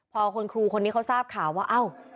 พอคุณครูคนนี้เขาทราบข่าวว่าเอ้า